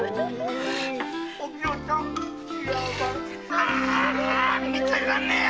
ああ見ちゃいられねえや！